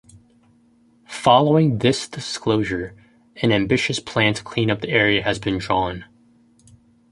Following this disclosure an ambitious plan to clean up the area has been drawn.